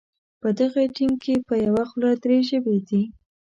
په دغه ټیم کې په یوه خوله درې ژبې دي.